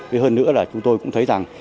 với hơn nữa là chúng tôi cũng thấy rằng